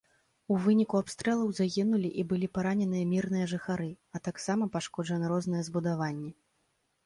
У выніку абстрэлаў загінулі і былі параненыя мірныя жыхары, а таксама пашкоджаны розныя збудаванні.